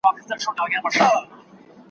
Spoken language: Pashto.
ته خبر یې د تودې خوني له خونده؟ `